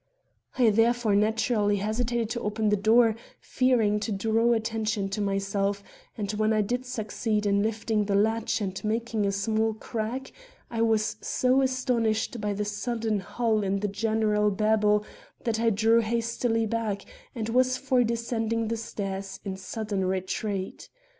I therefore naturally hesitated to push open the door, fearing to draw attention to myself; and when I did succeed in lifting the latch and making a small crack, I was so astonished by the sudden lull in the general babble, that I drew hastily back and was for descending the stairs in sudden retreat.